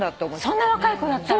そんな若い子だったの？